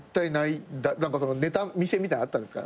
ネタ見せみたいのあったんすか？